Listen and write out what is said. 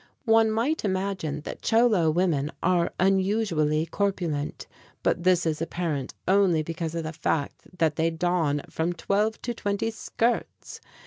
One might imagine that Cholo women are unusually corpulent; but this is apparent only because of the fact that they don from twelve to twenty skirts.